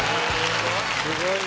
すごい！